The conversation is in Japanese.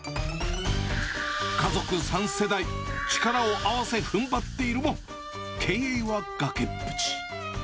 家族３世代、力を合わせふんばっているも、経営は崖っぷち。